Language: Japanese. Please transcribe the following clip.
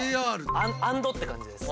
「＆」って感じです。